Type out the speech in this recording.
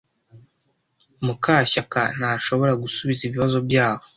Mukashyaka ntashobora gusubiza ibibazo byabo.